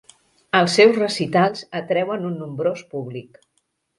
Els seus recitals atreuen un nombrós públic.